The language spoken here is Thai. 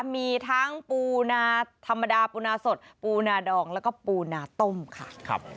มีทั้งปูนาธรรมดาปูนาสดปูนาดองแล้วก็ปูนาต้มค่ะ